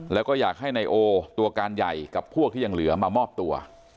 แล้วก็อยากให้นายโอตัวการใหญ่กับพวกที่ยังเหลือมามอบตัว